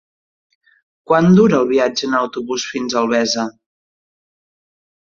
Quant dura el viatge en autobús fins a Albesa?